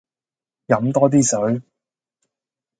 飲多啲水